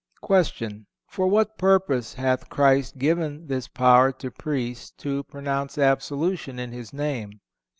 Q. For what purpose hath Christ given this power to Priests to pronounce absolution in His name?